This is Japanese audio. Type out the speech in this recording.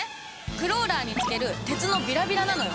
クローラーに付ける鉄のビラビラなのよ。